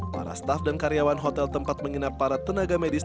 para staff dan karyawan hotel tempat menginap para tenaga medis